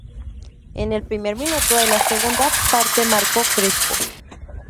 En el primer minuto, de la segunda parte marcó Crespo.